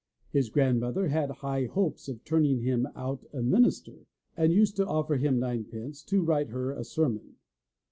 His grandmother had high hopes of turning him out a minister and used to offer him ninepence to write her a sermon.